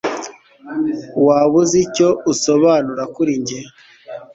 Waba uzi icyo usobanura kuri njye